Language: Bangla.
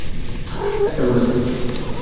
একটা বুলেট দে।